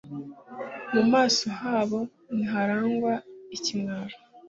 mu maso habo ntiharangwa ikimwaro